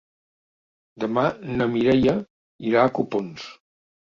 Demà na Mireia irà a Copons.